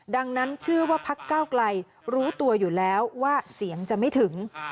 ดังนั้นเชื่อว่าพักเก้าไกลรู้ตัวอยู่แล้วว่าเสียงจะไม่ถึง